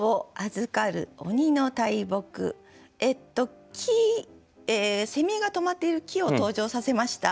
えっと木が止まっている木を登場させました。